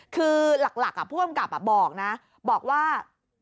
คือหลักผู้อำกับบอกนะบอกว่า